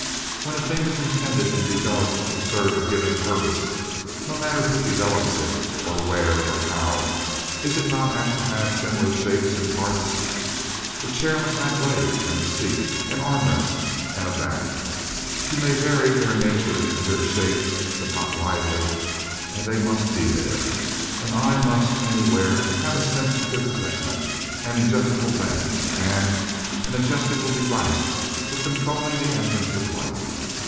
When a thing is intended and developed to serve a given purpose, no matter who develops it, or where or how, is it not apt to have similar shapes and parts? A chair must have legs, and a seat and arm rests and a back. You may vary their nature and their shape, but not widely, and they must be there. An eye must, anywhere, have a sensitive retina, an adjustable lens, and an adjustable device for controlling the entrance of light.